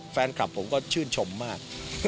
แฟนคลับผมก็ชื่นชมมาก